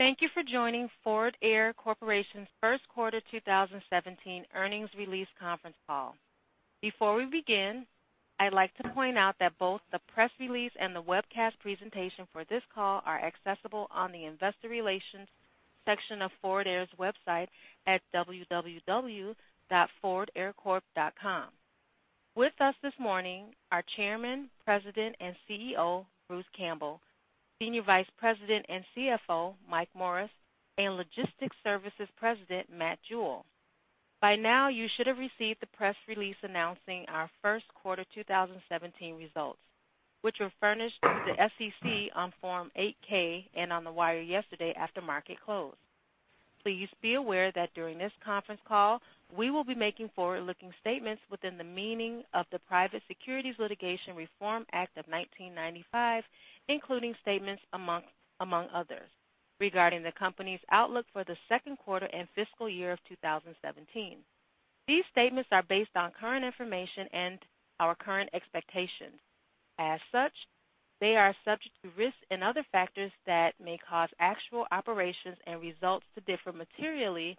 Thank you for joining Forward Air Corporation's first quarter 2017 earnings release conference call. Before we begin, I'd like to point out that both the press release and the webcast presentation for this call are accessible on the investor relations section of Forward Air's website at www.forwardaircorp.com. With us this morning are Chairman, President, and CEO, Bruce Campbell, Senior Vice President and CFO, Mike Morris, and Logistics Services President, Matt Jewell. By now, you should have received the press release announcing our first quarter 2017 results, which were furnished to the SEC on Form 8-K and on the wire yesterday after market close. Please be aware that during this conference call, we will be making forward-looking statements within the meaning of the Private Securities Litigation Reform Act of 1995, including statements among others regarding the company's outlook for the second quarter and fiscal year of 2017. These statements are based on current information and our current expectations. As such, they are subject to risks and other factors that may cause actual operations and results to differ materially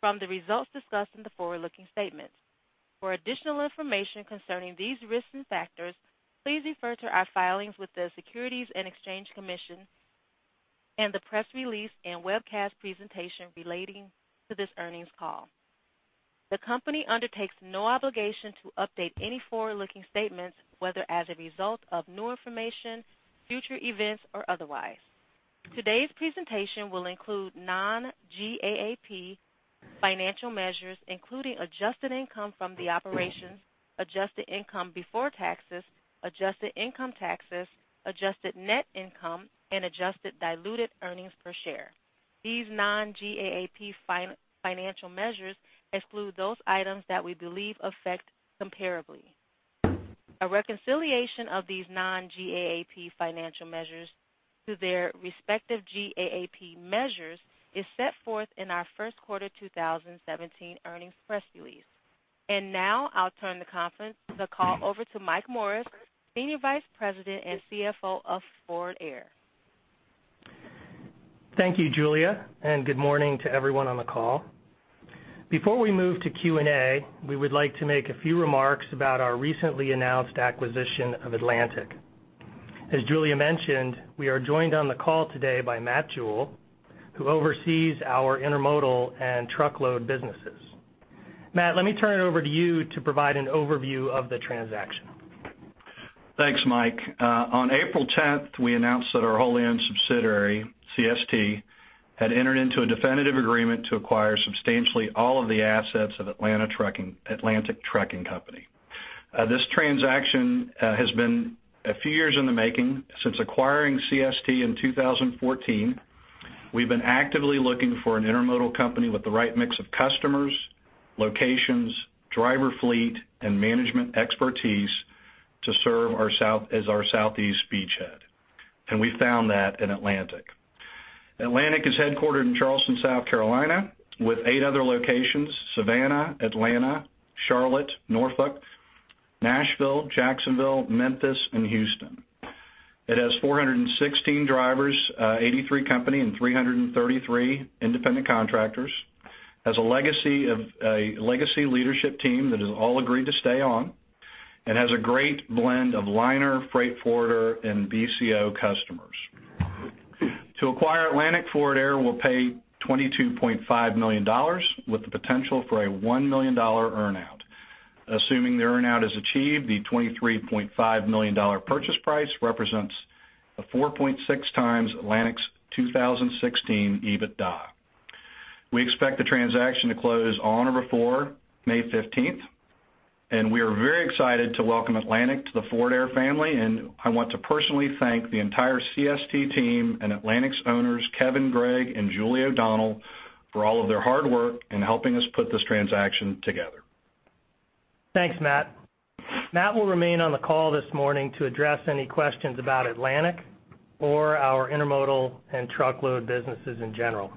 from the results discussed in the forward-looking statements. For additional information concerning these risks and factors, please refer to our filings with the Securities and Exchange Commission and the press release and webcast presentation relating to this earnings call. The company undertakes no obligation to update any forward-looking statements, whether as a result of new information, future events, or otherwise. Today's presentation will include non-GAAP financial measures, including adjusted income from the operations, adjusted income before taxes, adjusted income taxes, adjusted net income, and adjusted diluted earnings per share. These non-GAAP financial measures exclude those items that we believe affect comparability. A reconciliation of these non-GAAP financial measures to their respective GAAP measures is set forth in our first quarter 2017 earnings press release. Now I'll turn the call over to Mike Morris, Senior Vice President and CFO of Forward Air. Thank you, Julia, and good morning to everyone on the call. Before we move to Q&A, we would like to make a few remarks about our recently announced acquisition of Atlantic. As Julia mentioned, we are joined on the call today by Matt Jewell, who oversees our intermodal and truckload businesses. Matt, let me turn it over to you to provide an overview of the transaction. Thanks, Mike. On April 10th, we announced that our wholly owned subsidiary, CST, had entered into a definitive agreement to acquire substantially all of the assets of Atlantic Trucking Company. This transaction has been a few years in the making. Since acquiring CST in 2014, we've been actively looking for an intermodal company with the right mix of customers, locations, driver fleet, and management expertise to serve as our southeast beachhead. We found that in Atlantic. Atlantic is headquartered in Charleston, South Carolina, with eight other locations, Savannah, Atlanta, Charlotte, Norfolk, Nashville, Jacksonville, Memphis, and Houston. It has 416 drivers, 83 company, and 333 independent contractors, has a legacy leadership team that has all agreed to stay on and has a great blend of liner, freight forwarder, and BCO customers. To acquire Atlantic, Forward Air will pay $22.5 million with the potential for a $1 million earn-out. Assuming the earn-out is achieved, the $23.5 million purchase price represents a 4.6x Atlantic's 2016 EBITDA. We expect the transaction to close on or before May 15th, and we are very excited to welcome Atlantic to the Forward Air family, and I want to personally thank the entire CST team and Atlantic's owners, Kevin, Greg, and Julie O'Donnell for all of their hard work in helping us put this transaction together. Thanks, Matt. Matt will remain on the call this morning to address any questions about Atlantic or our intermodal and truckload businesses in general.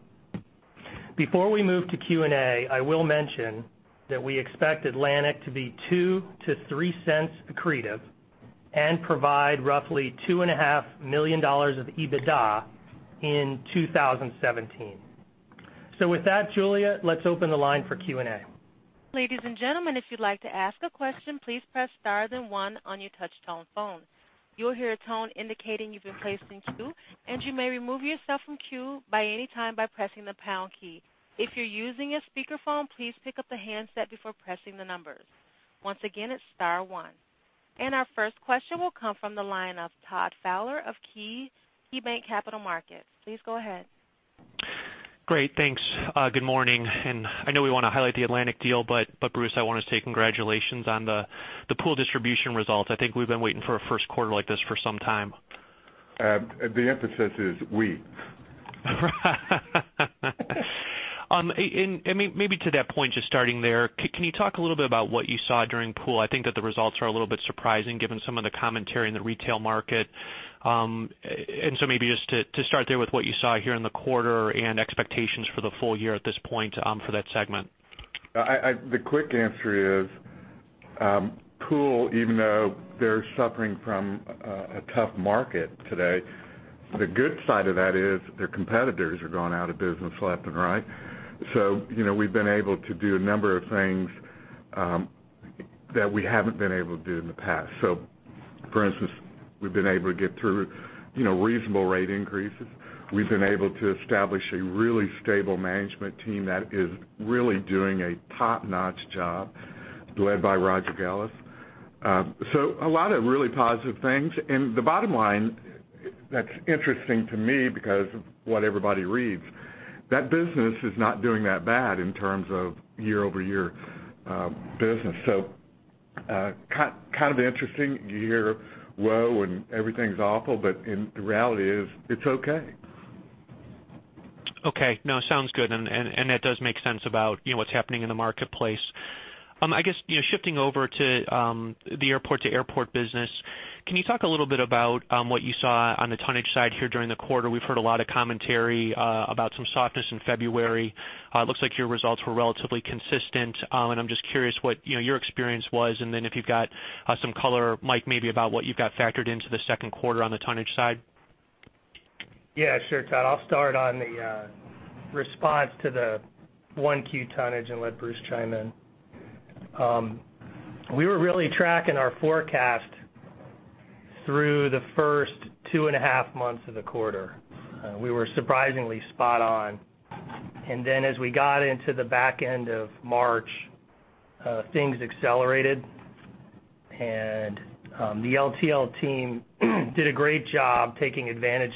Before we move to Q&A, I will mention that we expect Atlantic to be $0.02-$0.03 accretive and provide roughly $2.5 million of EBITDA in 2017. With that, Julia, let's open the line for Q&A. Ladies and gentlemen, if you'd like to ask a question, please press star then one on your touch-tone phone. You will hear a tone indicating you've been placed in queue, and you may remove yourself from queue by any time by pressing the pound key. If you're using a speakerphone, please pick up the handset before pressing the numbers. Once again, it's star one. Our first question will come from the line of Todd Fowler of KeyBanc Capital Markets. Please go ahead. Great, thanks. Good morning. I know we want to highlight the Atlantic deal, Bruce, I want to say congratulations on the Pool distribution results. I think we've been waiting for a first quarter like this for some time. The emphasis is we. Maybe to that point, just starting there, can you talk a little bit about what you saw during Pool? I think that the results are a little bit surprising given some of the commentary in the retail market. Maybe just to start there with what you saw here in the quarter and expectations for the full year at this point for that segment. The quick answer is Pool, even though they're suffering from a tough market today. The good side of that is their competitors are going out of business left and right. We've been able to do a number of things that we haven't been able to do in the past. For instance, we've been able to get through reasonable rate increases. We've been able to establish a really stable management team that is really doing a top-notch job led by Roger Gallas. A lot of really positive things. The bottom line that's interesting to me because of what everybody reads, that business is not doing that bad in terms of year-over-year business. Kind of interesting. You hear woe and everything's awful, the reality is it's okay. That does make sense about what's happening in the marketplace. I guess, shifting over to the airport-to-airport business, can you talk a little bit about what you saw on the tonnage side here during the quarter? We've heard a lot of commentary about some softness in February. It looks like your results were relatively consistent. I'm just curious what your experience was, and then if you've got some color, Mike, maybe about what you've got factored into the second quarter on the tonnage side. Yeah, sure, Todd. I'll start on the response to the 1Q tonnage and let Bruce chime in. We were really tracking our forecast through the first two and a half months of the quarter. We were surprisingly spot on. As we got into the back end of March, things accelerated, and the LTL team did a great job taking advantage,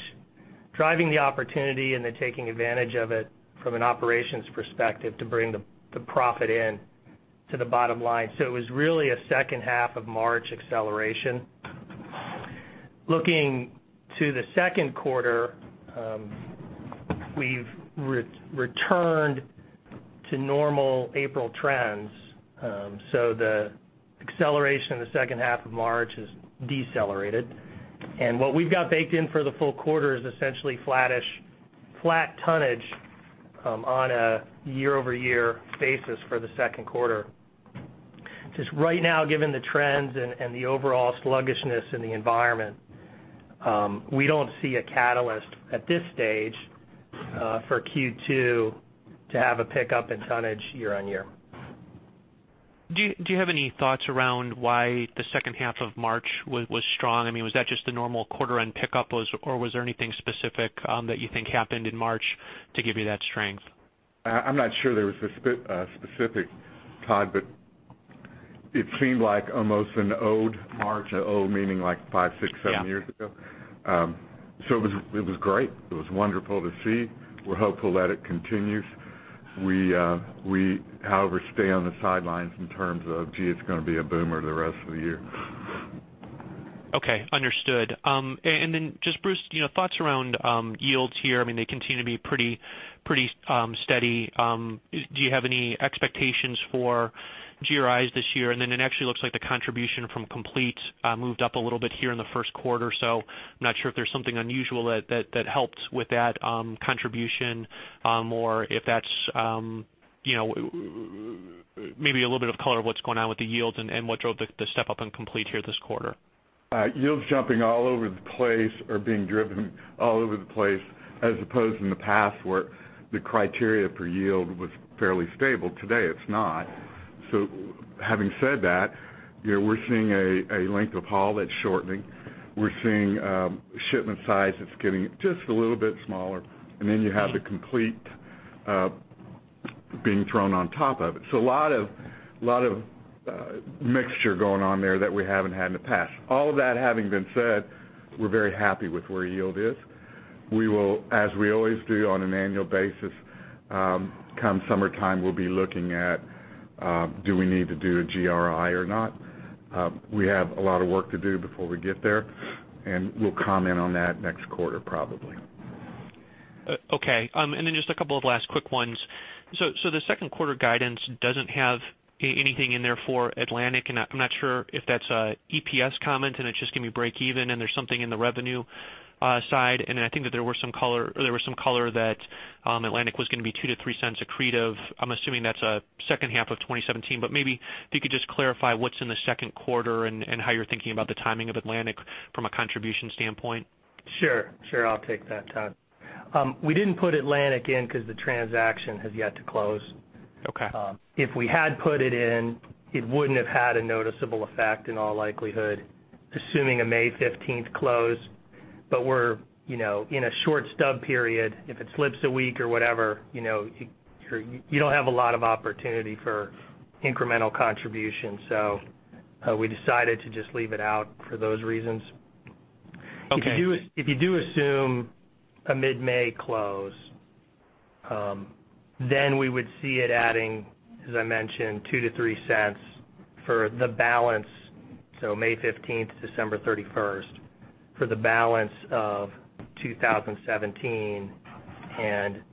driving the opportunity, and then taking advantage of it from an operations perspective to bring the profit in to the bottom line. It was really a second half of March acceleration. Looking to the second quarter, we've returned to normal April trends. The acceleration in the second half of March has decelerated. What we've got baked in for the full quarter is essentially flat tonnage on a year-over-year basis for the second quarter. Just right now, given the trends and the overall sluggishness in the environment, we don't see a catalyst at this stage for Q2 to have a pickup in tonnage year-on-year. Do you have any thoughts around why the second half of March was strong? Was that just the normal quarter end pickup, or was there anything specific that you think happened in March to give you that strength? I'm not sure there was a specific, Todd, but it seemed like almost an old March, an old meaning like five, six, seven years ago. Yeah. It was great. It was wonderful to see. We're hopeful that it continues. We, however, stay on the sidelines in terms of, gee, it's going to be a boomer the rest of the year. Okay, understood. Then just Bruce, thoughts around yields here. They continue to be pretty steady. Do you have any expectations for GRIs this year? Then it actually looks like the contribution from Complete moved up a little bit here in the first quarter, so I'm not sure if there's something unusual that helped with that contribution, or if that's maybe a little bit of color of what's going on with the yields and what drove the step up in Complete here this quarter. Yields jumping all over the place or being driven all over the place, as opposed in the past where the criteria for yield was fairly stable. Today, it's not. Having said that, we're seeing a length of haul that's shortening. We're seeing shipment size that's getting just a little bit smaller. Then you have the Complete being thrown on top of it. A lot of mixture going on there that we haven't had in the past. All of that having been said, we're very happy with where yield is. We will, as we always do on an annual basis, come summertime, we'll be looking at, do we need to do a GRI or not? We have a lot of work to do before we get there, and we'll comment on that next quarter, probably. Okay. Just a couple of last quick ones. The second quarter guidance doesn't have anything in there for Atlantic, and I'm not sure if that's an EPS comment and it's just going to be breakeven, and there's something in the revenue side. I think that there was some color that Atlantic was going to be $0.02-$0.03 accretive. I'm assuming that's second half of 2017, but maybe if you could just clarify what's in the second quarter and how you're thinking about the timing of Atlantic from a contribution standpoint. Sure. I'll take that, Todd. We didn't put Atlantic in because the transaction has yet to close. Okay. If we had put it in, it wouldn't have had a noticeable effect in all likelihood, assuming a May 15th close. We're in a short stub period. If it slips a week or whatever, you don't have a lot of opportunity for incremental contribution. We decided to just leave it out for those reasons. Okay. If you do assume a mid-May close, we would see it adding, as I mentioned, $0.02-$0.03 for the balance, so May 15th to December 31st, for the balance of 2017.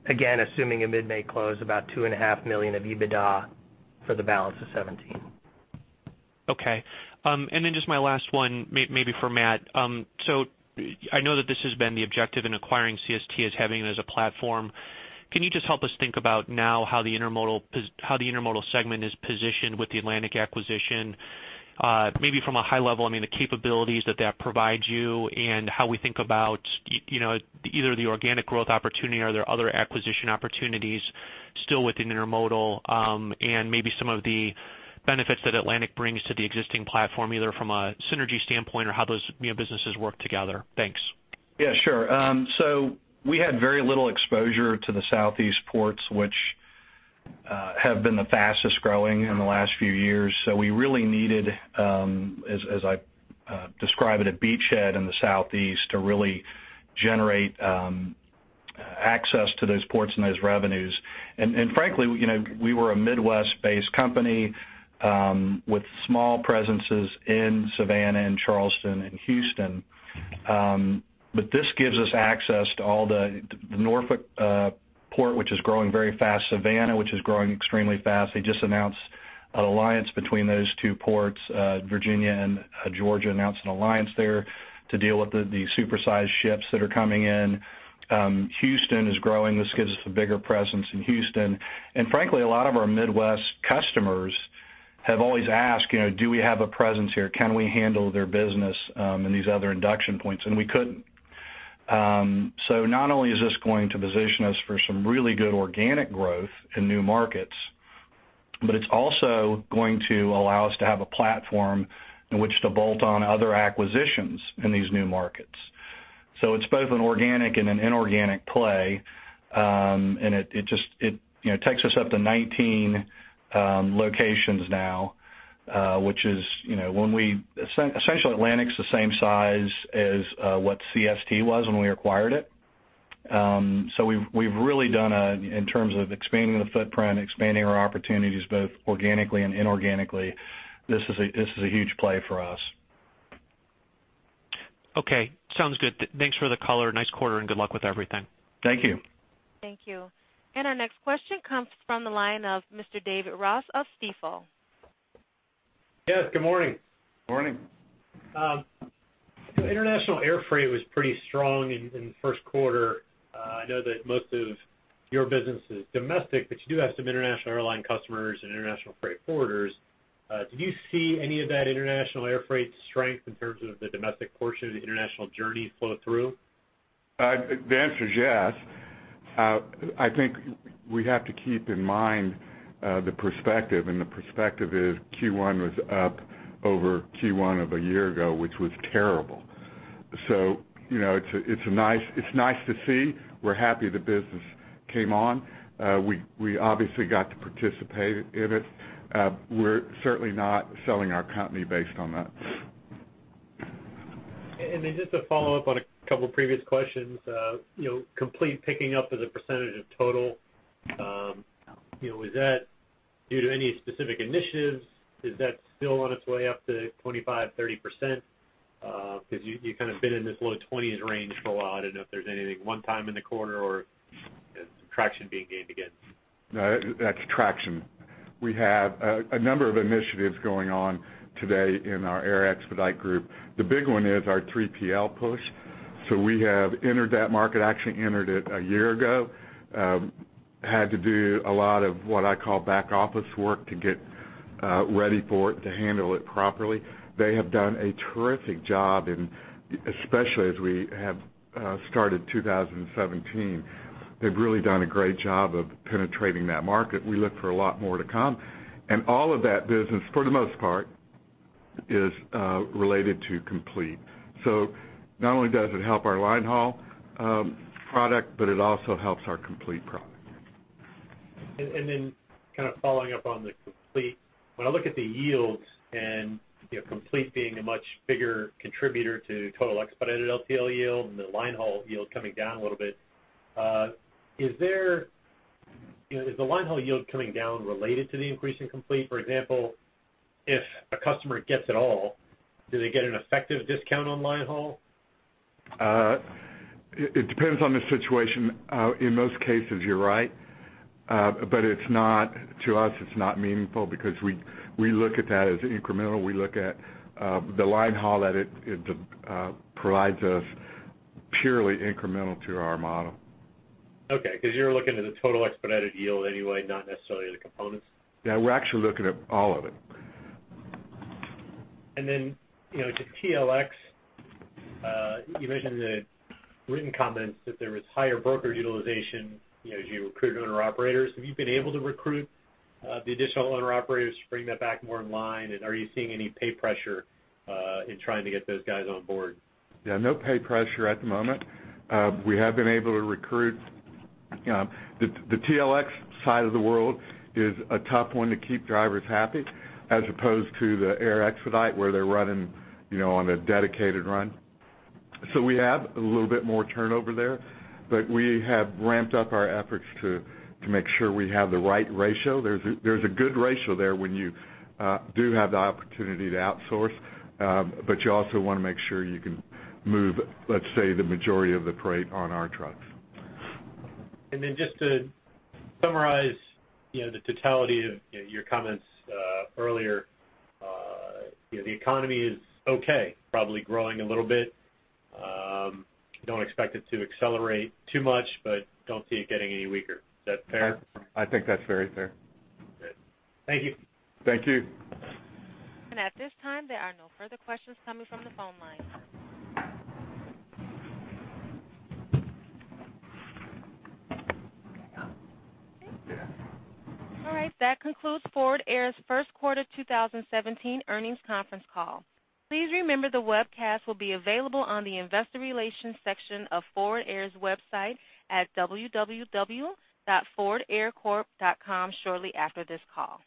Again, assuming a mid-May close, about $2.5 million of EBITDA for the balance of 2017. Okay. Just my last one, maybe for Matt. I know that this has been the objective in acquiring CST as having it as a platform. Can you just help us think about now how the intermodal segment is positioned with the Atlantic acquisition? Maybe from a high level, the capabilities that provides you and how we think about either the organic growth opportunity or are there other acquisition opportunities still within intermodal? Maybe some of the benefits that Atlantic brings to the existing platform, either from a synergy standpoint or how those businesses work together. Thanks. Yeah, sure. We had very little exposure to the Southeast ports, which have been the fastest-growing in the last few years. We really needed, as I describe it, a beachhead in the Southeast to really generate access to those ports and those revenues. Frankly, we were a Midwest-based company with small presences in Savannah and Charleston and Houston. This gives us access to all the Norfolk port, which is growing very fast, Savannah, which is growing extremely fast. They just announced an alliance between those two ports. Virginia and Georgia announced an alliance there to deal with the super-sized ships that are coming in. Houston is growing. This gives us a bigger presence in Houston. Frankly, a lot of our Midwest customers have always asked, "Do we have a presence here? Can we handle their business in these other induction points?" We couldn't. Not only is this going to position us for some really good organic growth in new markets, but it's also going to allow us to have a platform in which to bolt on other acquisitions in these new markets. It's both an organic and an inorganic play, and it takes us up to 19 locations now. Essentially, Atlantic's the same size as what CST was when we acquired it. We've really done, in terms of expanding the footprint, expanding our opportunities both organically and inorganically, this is a huge play for us. Okay, sounds good. Thanks for the color. Nice quarter, and good luck with everything. Thank you. Thank you. Our next question comes from the line of Mr. David Ross of Stifel. Yes, good morning. Morning. International air freight was pretty strong in the first quarter. I know that most of your business is domestic, but you do have some international airline customers and international freight forwarders. Did you see any of that international air freight strength in terms of the domestic portion of the international journey flow through? The answer is yes. I think we have to keep in mind the perspective, the perspective is Q1 was up over Q1 of a year ago, which was terrible. It's nice to see. We're happy the business came on. We obviously got to participate in it. We're certainly not selling our company based on that. Just to follow up on a couple of previous questions, Complete picking up as a percentage of total, was that due to any specific initiatives? Is that still on its way up to 25%, 30%? You kind of been in this low 20s range for a while. I don't know if there's anything one time in the quarter or some traction being gained against. No, that's traction. We have a number of initiatives going on today in our air expedite group. The big one is our 3PL push. We have entered that market, actually entered it a year ago. Had to do a lot of what I call back office work to get ready for it to handle it properly. They have done a terrific job, especially as we have started 2017. They've really done a great job of penetrating that market. We look for a lot more to come. All of that business, for the most part, is related to Complete. Not only does it help our line haul product, but it also helps our Complete product. Kind of following up on the Complete. When I look at the yields and Complete being a much bigger contributor to total expedited LTL yield and the line haul yield coming down a little bit, is the line haul yield coming down related to the increase in Complete? For example, if a customer gets it all, do they get an effective discount on line haul? It depends on the situation. In most cases, you're right. To us, it's not meaningful because we look at that as incremental. We look at the line haul that it provides us purely incremental to our model. Okay, because you're looking at the total expedited yield anyway, not necessarily the components? Yeah, we're actually looking at all of it. To TLX, you mentioned in the written comments that there was higher broker utilization as you recruit owner-operators. Have you been able to recruit the additional owner-operators to bring that back more in line? Are you seeing any pay pressure in trying to get those guys on board? Yeah, no pay pressure at the moment. We have been able to recruit. The TLX side of the world is a tough one to keep drivers happy, as opposed to the air expedite where they're running on a dedicated run. We have a little bit more turnover there, but we have ramped up our efforts to make sure we have the right ratio. There's a good ratio there when you do have the opportunity to outsource, but you also want to make sure you can move, let's say, the majority of the freight on our trucks. Just to summarize the totality of your comments earlier. The economy is okay, probably growing a little bit. You don't expect it to accelerate too much, but don't see it getting any weaker. Is that fair? I think that's very fair. Good. Thank you. Thank you. At this time, there are no further questions coming from the phone lines. All right. That concludes Forward Air's first quarter 2017 earnings conference call. Please remember the webcast will be available on the investor relations section of Forward Air's website at www.forwardaircorp.com shortly after this call.